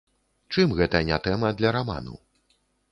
Чым гэта не тэма для раману?